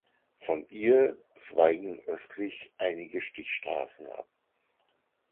Von ihr zweigen östlich einige Stichstraßen ab.